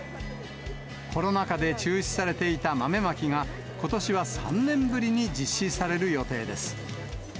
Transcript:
コロナ禍で中止されていた豆まきが、ことしは３年ぶりに実施される予定です。